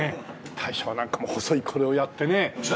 大将なんかも細いこれをやってね。